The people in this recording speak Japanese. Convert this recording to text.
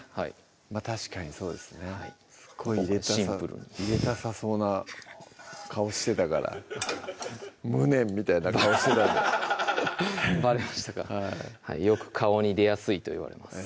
まぁ確かにそうですねはいすごい入れたさそうな顔してたから無念みたいな顔してたんでバレましたかよく顔に出やすいといわれます